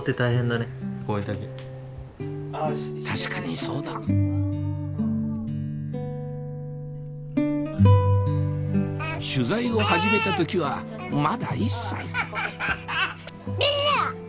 確かにそうだ取材を始めた時はまだ１歳ビジャ！